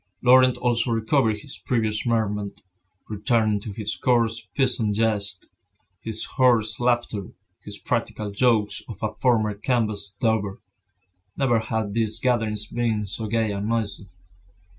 Laurent also recovered his previous merriment, returning to his coarse peasant jests, his hoarse laughter, his practical jokes of a former canvas dauber. Never had these gatherings been so gay and noisy.